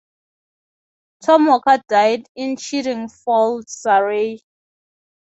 Tom Walker died in Chiddingfold, Surrey.